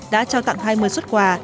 đã trao tặng hai mươi xuất quà